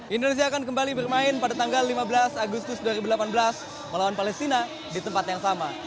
indonesia akan kembali bermain pada tanggal lima belas agustus dua ribu delapan belas melawan palestina di tempat yang sama